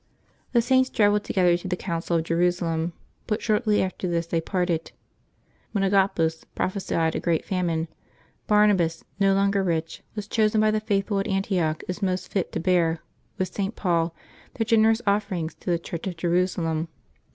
The Saints travelled together to the Council of Jerusalem, but shortly after this they parted. When Agabus prophesied a great famine, Barnabas, no longer rich, was chosen by the faithful at Antioch as most fit to bear, with St. Paul, their generous offerings to the Church of Jerusalem.